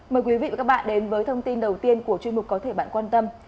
mời quý vị và các bạn đến với thông tin đầu tiên của chuyên mục có thể bạn quan tâm